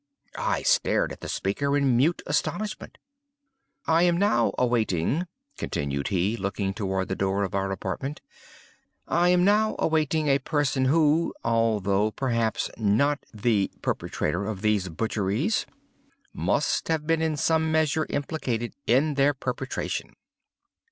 I stared at the speaker in mute astonishment. "I am now awaiting," continued he, looking toward the door of our apartment—"I am now awaiting a person who, although perhaps not the perpetrator of these butcheries, must have been in some measure implicated in their perpetration.